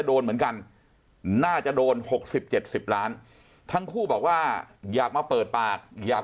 โดนเหมือนกันน่าจะโดน๖๐๗๐ล้านทั้งคู่บอกว่าอยากมาเปิดปากอยาก